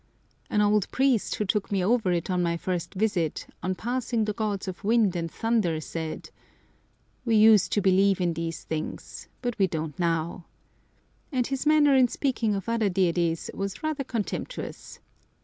An old priest who took me over it on my first visit, on passing the gods of wind and thunder said, "We used to believe in these things, but we don't now," and his manner in speaking of the other deities was rather contemptuous.